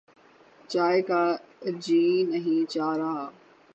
چائے کا جی نہیں چاہ رہا تھا۔